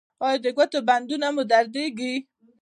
ایا د ګوتو بندونه مو دردیږي؟